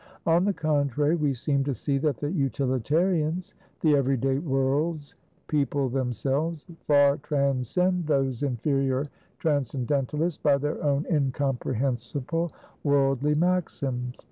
On the contrary, we seem to see that the Utilitarians, the every day world's people themselves, far transcend those inferior Transcendentalists by their own incomprehensible worldly maxims.